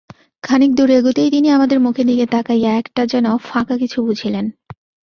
খানিক দূর এগোতেই তিনি আমাদের মুখের দিকে তাকাইয়া একটা যেন ফাঁকা কিছু বুঝিলেন।